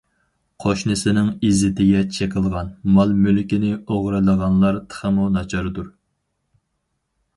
قوشنىسىنىڭ ئىززىتىگە چېقىلغان، مال-مۈلكىنى ئوغرىلىغانلار تېخىمۇ ناچاردۇر.